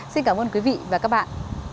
xin cảm ơn quý vị và các bạn